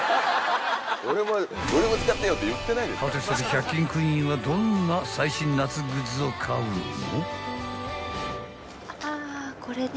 ［はてさて１００均クイーンはどんな最新夏グッズを買うの？］